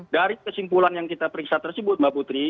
dari kesimpulan yang kita periksa tersebut mbak putri